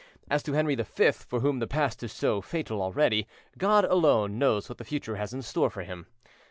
As to Henry V, for whom the past is so fatal already, God alone knows what the future has in store for him.